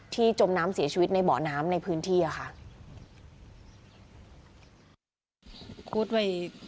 จมน้ำเสียชีวิตในเบาะน้ำในพื้นที่ค่ะ